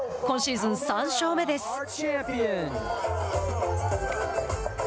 今シーズン３勝目です。